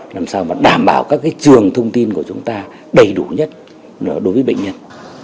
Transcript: làm sao đảm bảo các trường thông tin của chúng ta đầy đủ nhất đối với bệnh nhân